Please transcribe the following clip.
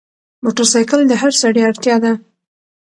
موټرسایکل د هر سړي اړتیا ده.